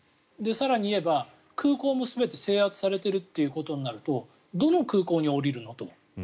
更に言えば、空港も全て制圧されてるってことになるとどの空港に降りるのと。